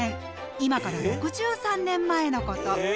今から６３年前のこと。